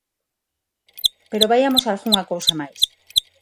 Pero vaiamos a algunha cousa máis.